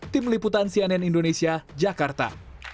tim liputan cnn indonesia jakarta